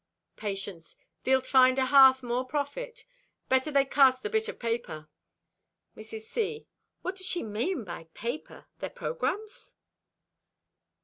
Patience.—"Thee'lt find a hearth more profit. Better they cast the bit of paper." Mrs. C.—"What does she mean by paper? Their programmes?"